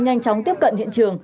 nhanh chóng tiếp cận hiện trường